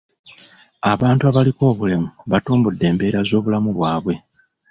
Abantu abaliko obulemu batumbudde embeera z'obulamu bwabwe.